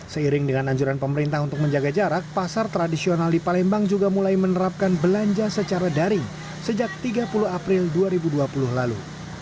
seiring dengan anjuran pemerintah untuk menjaga jarak pasar tradisional di palembang juga mulai menerapkan belanja secara daring sejak tiga puluh april dua ribu dua puluh lalu